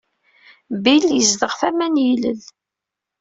Bill yezdeɣ tama n yilel.